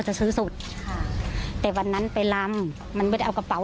จะซื้อสุดค่ะแต่วันนั้นไปลำมันไม่ได้เอากระเป๋า